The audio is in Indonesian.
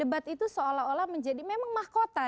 dua ribu empat belas debat itu seolah olah menjadi memang mahkota